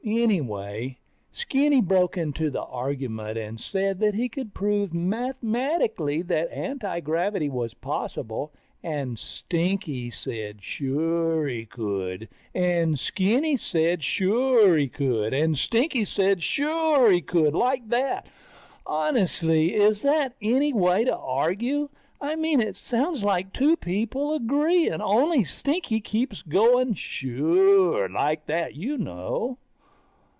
Anyway, Skinny broke into the argument and said that he could prove mathematically that antigravity was possible, and Stinky said suure he could, and Skinny said sure he could, and Stinky said suuure he could, like that. Honestly, is that any way to argue? I mean it sounds like two people agreeing, only Stinky keeps going suuure, like that, you know?